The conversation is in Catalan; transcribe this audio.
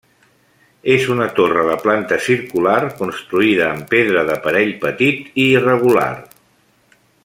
És una torre de planta circular, construïda amb pedra d'aparell petit i irregular.